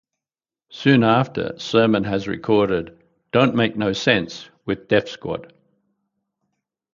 Soon after, Sermon has recorded "Don't Make No Sense" with Def Squad.